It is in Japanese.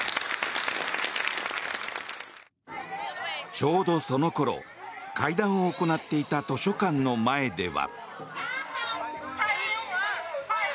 ちょうどその頃会談を行っていた図書館の前では。